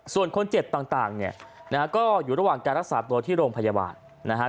ส่วนคนเจ็บต่างเนี่ยนะฮะก็อยู่ระหว่างการรักษาตัวที่โรงพยาบาลนะฮะ